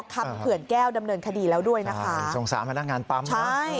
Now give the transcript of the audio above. คำเขื่อนแก้วดำเนินคดีแล้วด้วยนะคะสงสารพนักงานปั๊มนะใช่